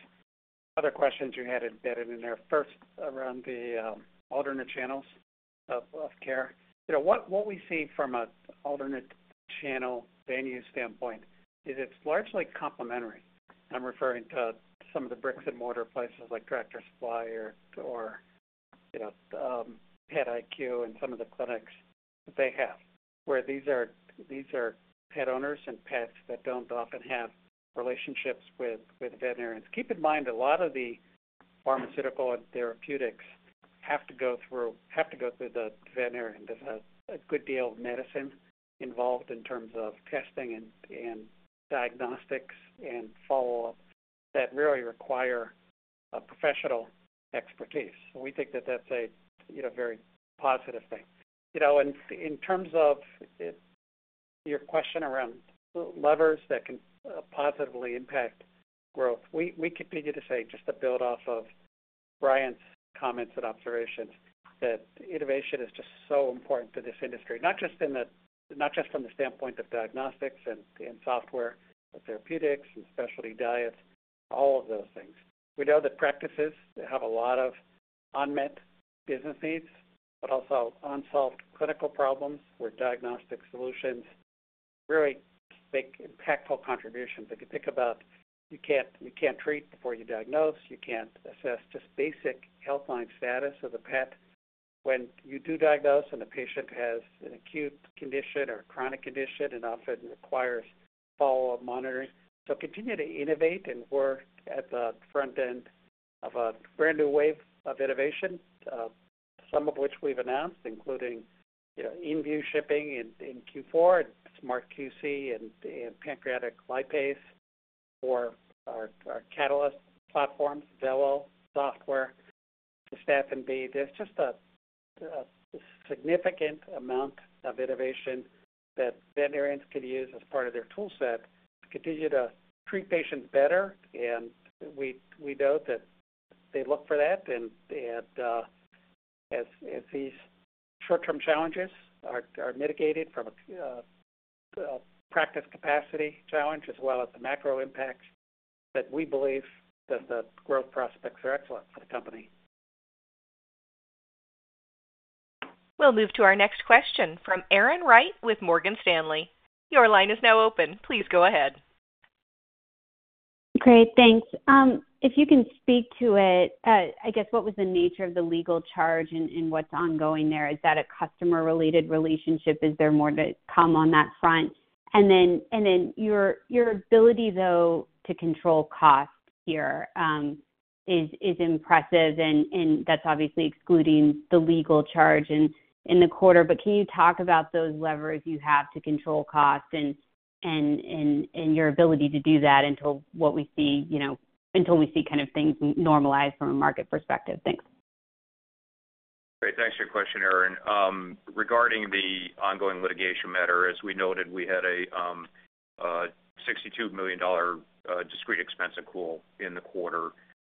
other questions you had embedded in there. First, around the alternate channels of care. You know, what we see from an alternate channel venue standpoint is it's largely complementary. I'm referring to some of the bricks-and-mortar places like Tractor Supply or, you know, PetIQ and some of the clinics that they have, where these are pet owners and pets that don't often have relationships with veterinarians. Keep in mind, a lot of the pharmaceutical and therapeutics have to go through the veterinarian. There's a good deal of medicine involved in terms of testing and diagnostics and follow-up that really require a professional expertise. So we think that that's a, you know, very positive thing. You know, and in terms of your question around levers that can positively impact growth, we, we continue to say, just to build off of Brian's comments and observations, that innovation is just so important to this industry, not just in the, not just from the standpoint of diagnostics and, and software, but therapeutics and specialty diets, all of those things. We know that practices, they have a lot of unmet business needs, but also unsolved clinical problems, where diagnostic solutions really make impactful contributions. If you think about, you can't, you can't treat before you diagnose, you can't assess just basic health line status of the pet. When you do diagnose and the patient has an acute condition or a chronic condition, it often requires follow-up monitoring. So continue to innovate, and we're at the front end of a brand new wave of innovation, some of which we've announced, including, you know, inVue shipping in Q4, and SmartQC, and Pancreatic Lipase for our Catalyst platforms, Vello software, to Cystatin B. There's just a significant amount of innovation that veterinarians could use as part of their tool set to continue to treat patients better. We note that they look for that, and they had. As these short-term challenges are mitigated from a practice capacity challenge as well as the macro impacts, that we believe that the growth prospects are excellent for the company. We'll move to our next question from Erin Wright with Morgan Stanley. Your line is now open. Please go ahead. Great, thanks. If you can speak to it, I guess, what was the nature of the legal charge and what's ongoing there? Is that a customer-related relationship? Is there more to come on that front? And then your ability, though, to control costs here is impressive, and that's obviously excluding the legal charge in the quarter. But can you talk about those levers you have to control costs and your ability to do that until what we see, you know, until we see kind of things normalize from a market perspective? Thanks. Great, thanks for your question, Erin. Regarding the ongoing litigation matter, as we noted, we had a $62 million discrete expense accrual in the quarter.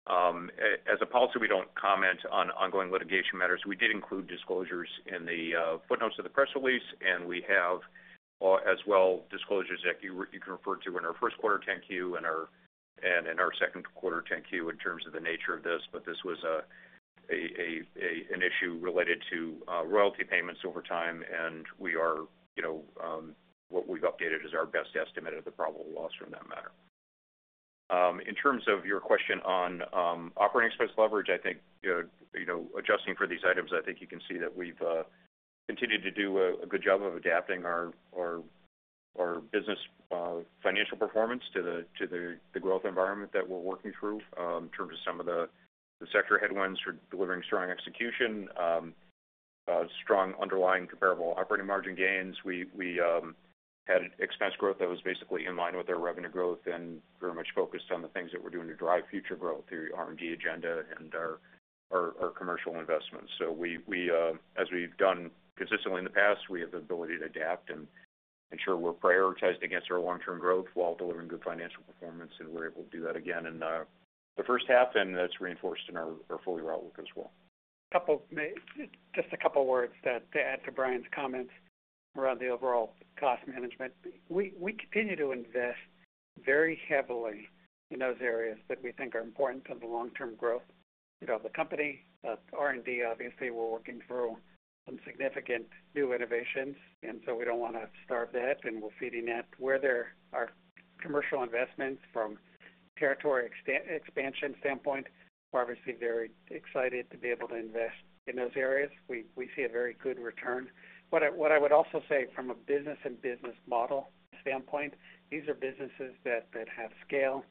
As a policy, we don't comment on ongoing litigation matters. We did include disclosures in the footnotes of the press release, and we have, as well, disclosures that you can refer to in our first quarter 10-Q and in our second quarter 10-Q in terms of the nature of this. But this was an issue related to royalty payments over time, and we are, you know, what we've updated is our best estimate of the probable loss from that matter. In terms of your question on operating expense leverage, I think, you know, adjusting for these items, I think you can see that we've continued to do a good job of adapting our business financial performance to the growth environment that we're working through, in terms of some of the sector headwinds for delivering strong execution, strong underlying comparable operating margin gains. We had expense growth that was basically in line with our revenue growth and very much focused on the things that we're doing to drive future growth through R&D agenda and our commercial investments. So as we've done consistently in the past, we have the ability to adapt and ensure we're prioritized against our long-term growth while delivering good financial performance, and we're able to do that again in the first half, and that's reinforced in our full year outlook as well. Just a couple words to add to Brian's comments around the overall cost management. We continue to invest very heavily in those areas that we think are important to the long-term growth of the company. R&D, obviously, we're working through some significant new innovations, and so we don't want to starve that, and we're feeding that. Where there are commercial investments from territory expansion standpoint, we're obviously very excited to be able to invest in those areas. We see a very good return. What I would also say from a business and business model standpoint, these are businesses that have scale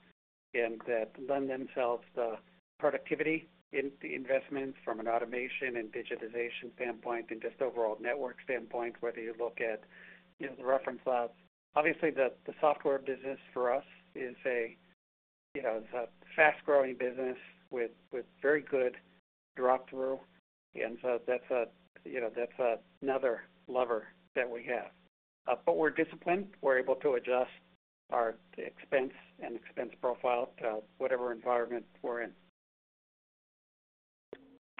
and that lend themselves to the productivity in the investments from an automation and digitization standpoint and just overall network standpoint, whether you look at, you know, the Reference Labs. Obviously, the software business for us is a, you know, is a fast-growing business with very good drop-through, and so that's a, you know, that's another lever that we have. But we're disciplined. We're able to adjust our expense and expense profile to whatever environment we're in.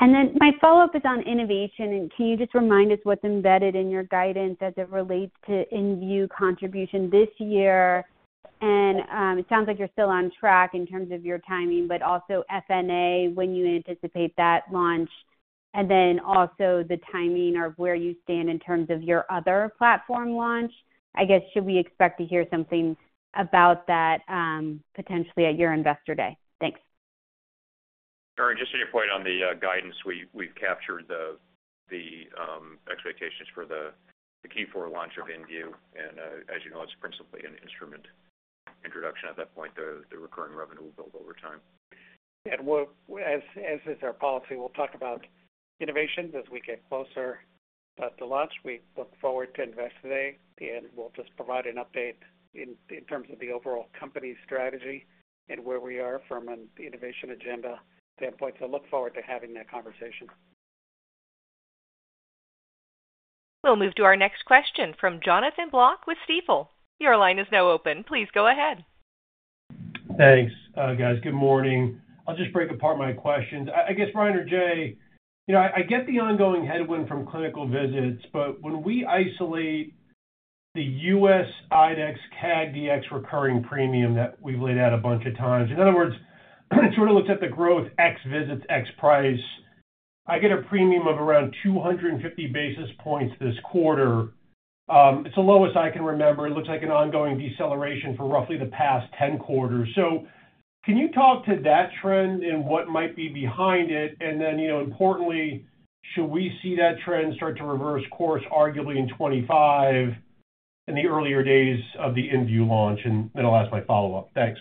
Then my follow-up is on innovation. Can you just remind us what's embedded in your guidance as it relates to inVue contribution this year? It sounds like you're still on track in terms of your timing, but also FNA, when you anticipate that launch, and then also the timing of where you stand in terms of your other platform launch. I guess, should we expect to hear something about that, potentially at your Investor Day? Thanks. Sure. Just to your point on the guidance, we've captured the expectations for the Q4 launch of inVue, and as you know, it's principally an instrument introduction at that point. The recurring revenue will build over time. And, as is our policy, we'll talk about innovations as we get closer to launch. We look forward to Investor Day, and we'll just provide an update in terms of the overall company strategy and where we are from an innovation agenda standpoint. Look forward to having that conversation. We'll move to our next question from Jonathan Block with Stifel. Your line is now open. Please go ahead. Thanks, guys. Good morning. I'll just break apart my questions. I guess, Brian or Jay, you know, I get the ongoing headwind from clinical visits, but when we isolate the U.S. IDEXX CAG Dx recurring premium that we've laid out a bunch of times, in other words, sort of looks at the growth X visits, X price, I get a premium of around 250 basis points this quarter. It's the lowest I can remember. It looks like an ongoing deceleration for roughly the past 10 quarters. So can you talk to that trend and what might be behind it? And then, you know, importantly, should we see that trend start to reverse course, arguably in 2025, in the earlier days of the inVue launch? And I'll ask my follow-up. Thanks.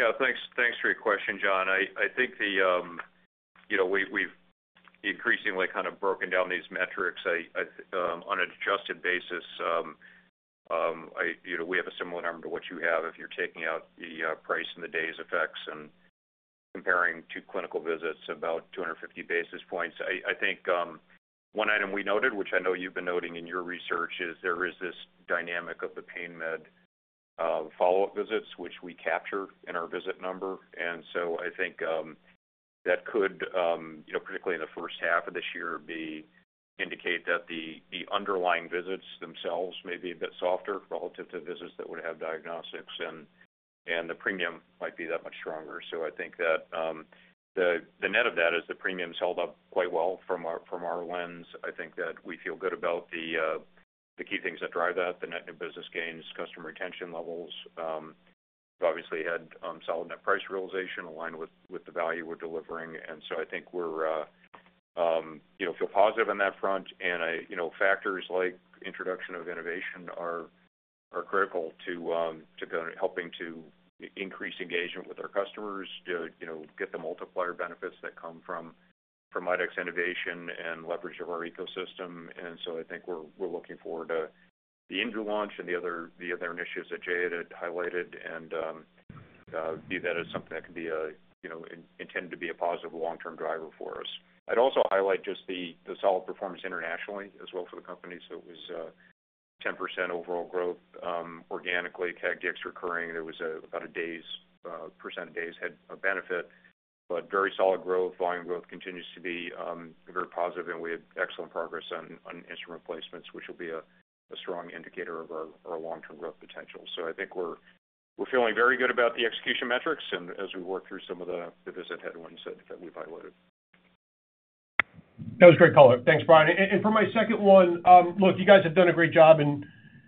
Yeah, thanks. Thanks for your question, John. I think the, you know, we've increasingly kind of broken down these metrics. I, on an adjusted basis, you know, we have a similar number to what you have if you're taking out the, price and the days effects and comparing two clinical visits, about 250 basis points. I think, one item we noted, which I know you've been noting in your research, is there is this dynamic of the pain mAbs, follow-up visits, which we capture in our visit number. And so I think, that could, you know, particularly in the first half of this year, be indicate that the, the underlying visits themselves may be a bit softer relative to visits that would have diagnostics and, and the premium might be that much stronger. So I think that the net of that is the premiums held up quite well from our lens. I think that we feel good about the key things that drive that, the net new business gains, customer retention levels. We've obviously had solid net price realization aligned with the value we're delivering, and so I think we're, you know, feel positive on that front. And you know, factors like introduction of innovation are critical to kind of helping to increase engagement with our customers to, you know, get the multiplier benefits that come from IDEXX innovation and leverage of our ecosystem. So I think we're looking forward to the inVue launch and the other initiatives that Jay had highlighted, and view that as something that can be a, you know, intended to be a positive long-term driver for us. I'd also highlight just the solid performance internationally as well for the company. So it was 10% overall growth organically, CAG Dx recurring. There was about a day's, percent of days benefit, but very solid growth. Volume growth continues to be very positive, and we had excellent progress on instrument placements, which will be a strong indicator of our long-term growth potential. So I think we're feeling very good about the execution metrics, and as we work through some of the visit headwinds that we've highlighted. That was great color. Thanks, Brian. And for my second one, look, you guys have done a great job in,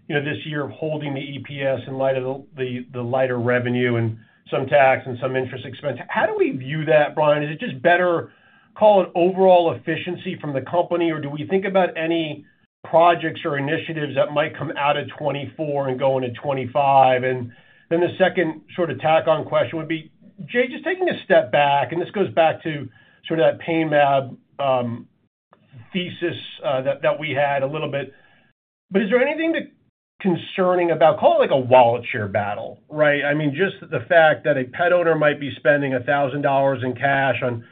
you know, this year of holding the EPS in light of the, the lighter revenue and some tax and some interest expense. How do we view that, Brian? Is it just better call it overall efficiency from the company, or do we think about any projects or initiatives that might come out of 2024 and go into 2025? And then the second sort of tack-on question would be, Jay, just taking a step back, and this goes back to sort of that pain mAbs thesis that we had a little bit. But is there anything that concerning about, call it, like, a wallet share battle, right? I mean, just the fact that a pet owner might be spending $1,000 in cash on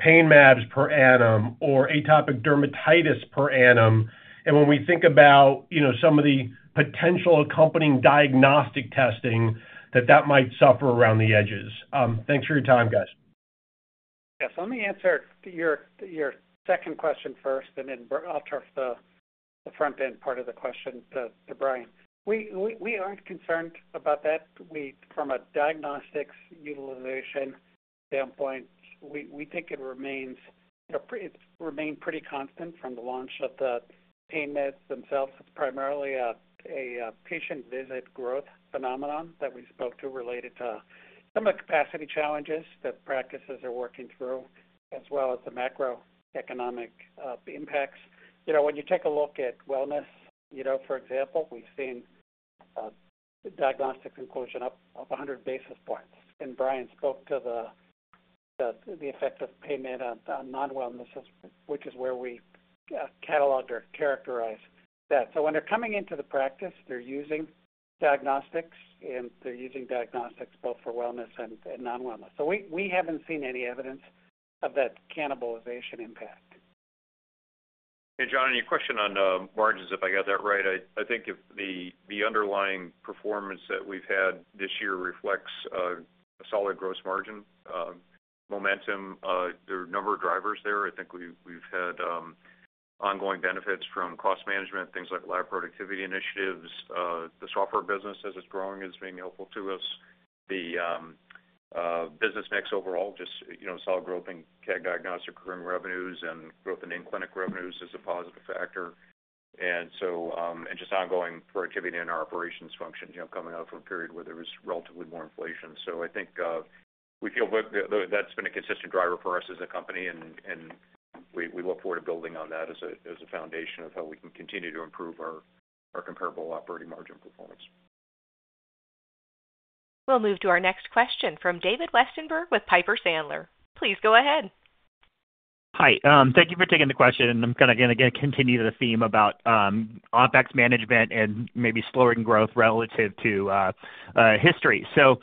pain mAbs per annum or atopic dermatitis per annum, and when we think about, you know, some of the potential accompanying diagnostic testing, that that might suffer around the edges. Thanks for your time, guys. Yes, let me answer your second question first, and then I'll turn the front-end part of the question to Brian. We aren't concerned about that. From a diagnostics utilization standpoint, we think it remains, you know, but it's remained pretty constant from the launch of the pain mAbs themselves. It's primarily a patient visit growth phenomenon that we spoke to, related to some of the capacity challenges that practices are working through, as well as the macroeconomic impacts. You know, when you take a look at wellness, you know, for example, we've seen diagnostics inclusion up 100 basis points. And Brian spoke to the effects of pain mAbs on non-wellness, which is where we catalog or characterize that. So when they're coming into the practice, they're using diagnostics, and they're using diagnostics both for wellness and non-wellness. So we haven't seen any evidence of that cannibalization impact. Hey, John, on your question on margins, if I got that right, I think if the underlying performance that we've had this year reflects a solid gross margin momentum, there are a number of drivers there. I think we've had ongoing benefits from cost management, things like lab productivity initiatives. The software business, as it's growing, is being helpful to us. The business mix overall, just, you know, solid growth in CAG Diagnostic recurring revenues and growth in in-clinic revenues is a positive factor. And so, and just ongoing productivity in our operations function, you know, coming out from a period where there was relatively more inflation. So I think we feel that's been a consistent driver for us as a company, and we look forward to building on that as a foundation of how we can continue to improve our comparable operating margin performance. We'll move to our next question from David Westenberg with Piper Sandler. Please go ahead. Hi, thank you for taking the question, and I'm kinda gonna again continue the theme about, OpEx management and maybe slowing growth relative to, history. So,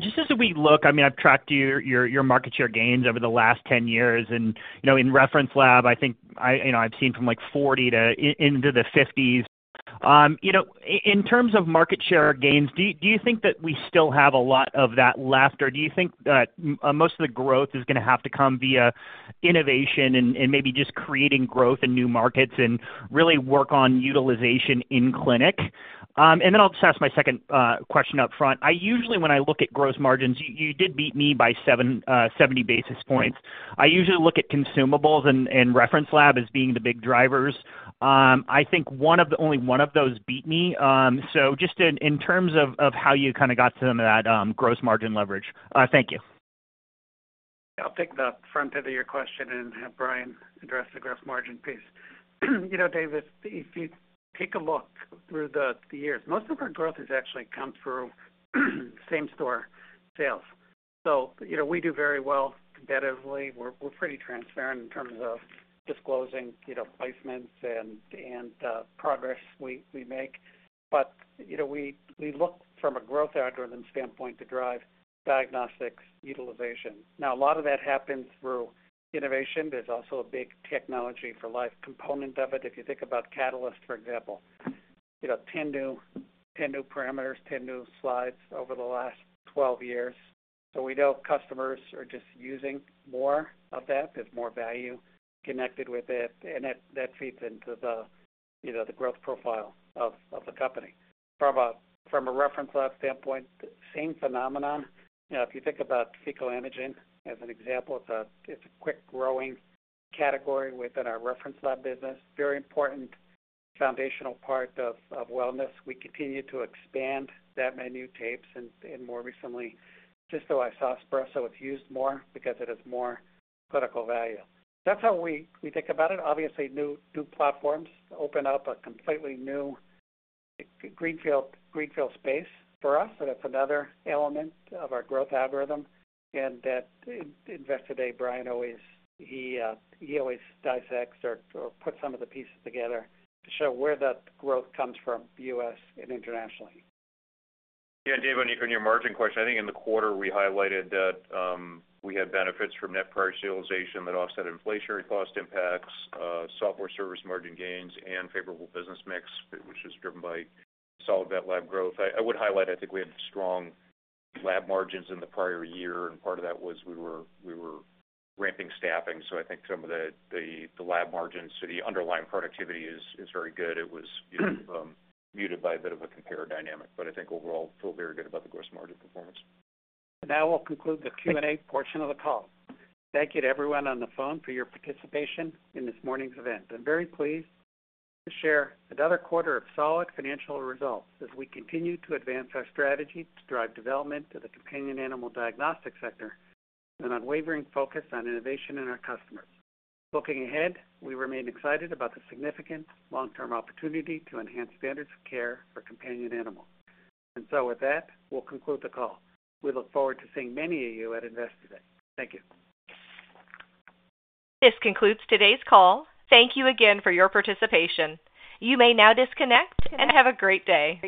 just as we look, I mean, I've tracked your market share gains over the last 10 years, and, you know, in Reference Labs, I think, you know, I've seen from, like, 40 to into the 50s. You know, in terms of market share gains, do you think that we still have a lot of that left, or do you think that, most of the growth is gonna have to come via innovation and, and maybe just creating growth in new markets and really work on utilization in clinic? And then I'll just ask my second question up front. I usually, when I look at gross margins, you did beat me by 70 basis points. I usually look at consumables and Reference Labs as being the big drivers. I think only one of those beat me. So just in terms of how you kinda got to some of that gross margin leverage. Thank you. I'll take the front end of your question and have Brian address the gross margin piece. You know, David, if you take a look through the years, most of our growth has actually come through same-store sales. So you know, we do very well competitively. We're pretty transparent in terms of disclosing, you know, placements and progress we make. But, you know, we look from a growth algorithm standpoint to drive diagnostics utilization. Now, a lot of that happens through innovation. There's also a big Technology for Life component of it. If you think about Catalyst, for example, you know, 10 new parameters, 10 new slides over the last 12 years. So we know customers are just using more of that. There's more value connected with it, and that feeds into the growth profile of the company. From a Reference Labs standpoint, the same phenomenon. You know, if you think about fecal imaging as an example, it's a quick growing category within our Reference Labs business, very important foundational part of wellness. We continue to expand that menu and more recently Cystoisospora, so it's used more because it has more clinical value. That's how we think about it. Obviously, new platforms open up a completely new greenfield space for us, so that's another element of our growth algorithm. And at Investor Day, Brian always dissects or puts some of the pieces together to show where that growth comes from, U.S. and internationally. Yeah, David, on your margin question, I think in the quarter, we highlighted that we had benefits from net price realization that offset inflationary cost impacts, software service margin gains, and favorable business mix, which is driven by solid VetLab growth. I would highlight, I think we had strong lab margins in the prior year, and part of that was we were ramping staffing, so I think some of the lab margins, so the underlying productivity is very good. It was muted by a bit of a compare dynamic. But I think overall, feel very good about the gross margin performance. Now, we'll conclude the Q&A portion of the call. Thank you to everyone on the phone for your participation in this morning's event. I'm very pleased to share another quarter of solid financial results as we continue to advance our strategy to drive development of the companion animal diagnostic sector and unwavering focus on innovation in our customers. Looking ahead, we remain excited about the significant long-term opportunity to enhance standards of care for companion animals. And so with that, we'll conclude the call. We look forward to seeing many of you at Investor Day. Thank you. This concludes today's call. Thank you again for your participation. You may now disconnect, and have a great day.